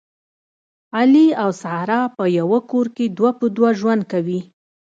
علي او ساره په یوه کور کې دوه په دوه ژوند کوي